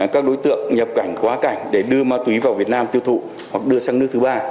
các đối tượng nhập cảnh quá cảnh để đưa ma túy vào việt nam tiêu thụ hoặc đưa sang nước thứ ba